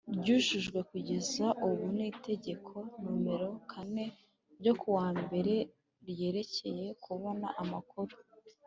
ryujujwe kugeza ubu n Itegeko Nomero kane ryo ku wa mbere ryerekeye kubona amakuru